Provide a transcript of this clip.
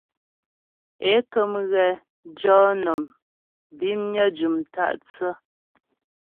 É kə̀m ghɛ jɔ nɔm bimnyə jʉm tâ'thə́.